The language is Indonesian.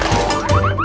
kamu kaga belakang